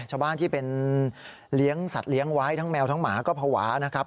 ชาวบ้านที่เป็นเลี้ยงสัตว์เลี้ยงไว้ทั้งแมวทั้งหมาก็ภาวะนะครับ